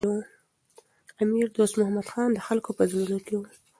امیر دوست محمد خان د خلکو په زړونو کي و.